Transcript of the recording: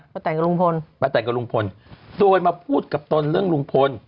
แตนกับลุงพลป้าแต่นกับลุงพลโดยมาพูดกับตนเรื่องลุงพล